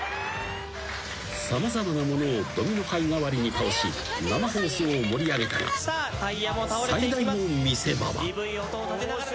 ［様々なものをドミノ牌代わりに倒し生放送を盛り上げたが最大の見せ場は］